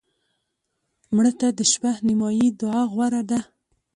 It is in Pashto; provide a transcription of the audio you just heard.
مړه ته د شپه نیمایي دعا غوره ده